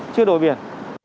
chưa đổi biển